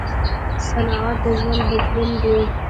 صنعت د ژوند بدلون دی.